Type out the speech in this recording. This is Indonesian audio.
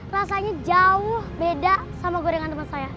rasanya jauh beda sama gorengan teman saya